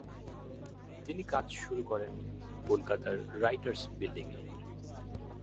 তিনি কাজ শুরু করেন কলকাতার রাইটার্স বিল্ডিংয়ে।